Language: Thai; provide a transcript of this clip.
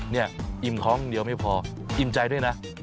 เนี่ยอิ่มคล้องเดียวไม่พออิ่มใจด้วยนะ